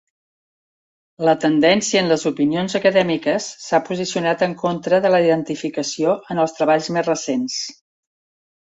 La tendència en les opinions acadèmiques s'ha posicionat en contra de la identificació en els treballs més recents.